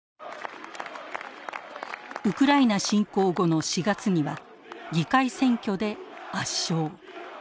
ウクライナ侵攻後の４月には議会選挙で圧勝。